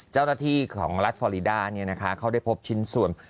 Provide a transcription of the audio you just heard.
เจ้าหน้าที่ของรัฐฟอริดาเนี่ยนะคะเขาได้พบชิ้นส่วน